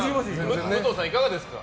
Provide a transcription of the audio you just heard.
武藤さん、いかがですか？